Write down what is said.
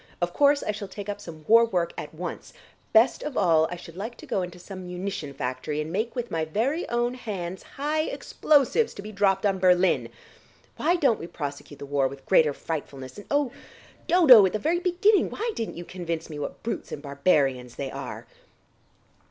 Of course I shall take up some war work at once; best of all I should like to go into some munition factory and make with my very own hands high explosives to be dropped on Berlin. Why don't we prosecute the war with greater frightfulness, and, oh, Dodo, at the very beginning why didn't you convince me what brutes and barbarians they are!"